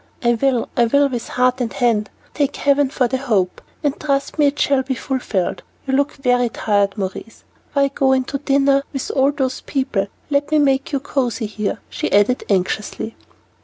"I will, I will with heart and hand! Thank heaven for the hope, and trust me it shall be fulfilled. You look very tired, Maurice. Why go in to dinner with all those people? Let me make you cozy here," she added anxiously.